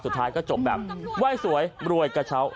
สุดท้ายก็จบแบบไหว้สวยรวยกระเช้า